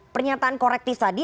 pernyataan korektif tadi